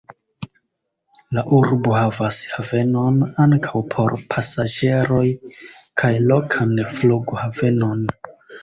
La urbo havas havenon (ankaŭ por pasaĝeroj) kaj lokan flughavenon.